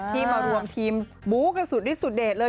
ที่มารวมทีมบู๊กันสุดฤทธสุดเด็ดเลย